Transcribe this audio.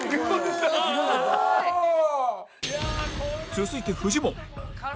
続いてフジモン